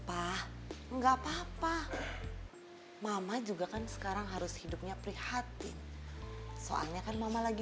enggak papa mama juga kan sekarang harus hidupnya prihatin soalnya kan mama lagi